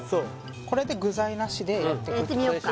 これで具材なしでやってくやってみようか